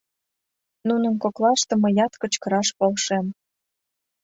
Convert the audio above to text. Нунын коклаште мыят кычкыраш полшем: